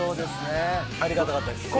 ありがたかったです。